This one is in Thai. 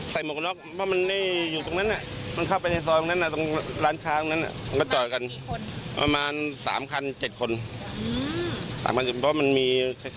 ใส่หมวกกันน็อกมันก็ไม่อยู่ตรงนั้นนะ